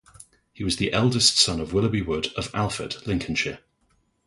He was the eldest son of Willoughby Wood, of Alford, Lincolnshire.